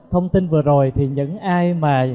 thông tin vừa rồi thì những ai mà